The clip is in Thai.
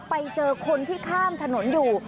ไปเจอคนที่ข้ามถนนอยู่